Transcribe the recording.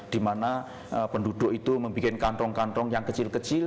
dimana penduduk itu membuat kantong kantong yang kecil kecil